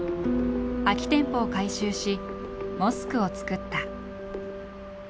空き店舗を改修しモスクをつくった。